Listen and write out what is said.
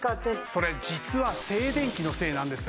それ実は静電気のせいなんです。